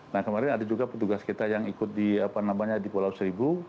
nah kemarin ada juga petugas kita yang ikut di apa namanya di pulau seribu